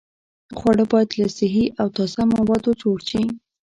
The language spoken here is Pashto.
خواړه باید له صحي او تازه موادو جوړ شي.